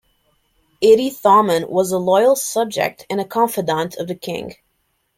Itty Thommen was a loyal subject and a confidant of the king.